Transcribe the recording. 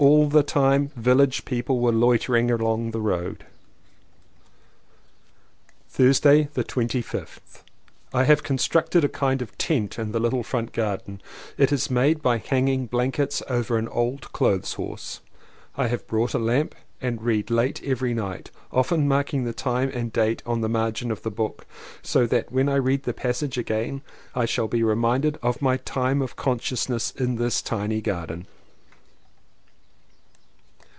All the time village people were loitering along the road. 214 LLEWELLYN POWYS Thursday the 25th. I have constructed a kind of tent in the Httle front garden. It is made by hanging blankets over an old clothes' horse. I have bought a lamp and read late every night, often marking the time and date on the margin of the book so that when I read the passage again I shall be reminded of my time of consciousness in this tiny garden.